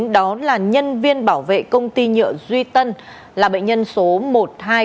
đó là nhân viên bảo vệ công ty nhựa duy tân là bệnh nhân số một mươi hai nghìn bốn trăm ba mươi bảy